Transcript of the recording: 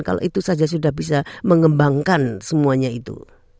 kalau itu saja sudah bisa mengembangkan semuanya itu